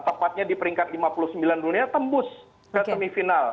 tepatnya di peringkat lima puluh sembilan dunia tembus ke semifinal